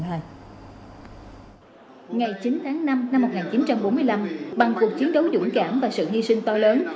ngày chín tháng năm năm một nghìn chín trăm bốn mươi năm bằng cuộc chiến đấu dũng cảm và sự hy sinh to lớn